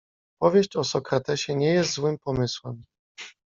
„Powieść o Sokratesie nie jest złym pomysłem.